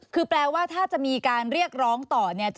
คือแปลว่าถ้าจะมีการเรียกร้องต่อเนี่ย